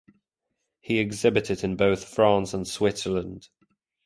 He exhibited in both France and Switzerland.